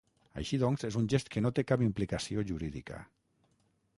Així doncs, és un gest que no té cap implicació jurídica.